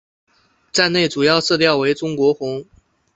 站内主要色调为中国红。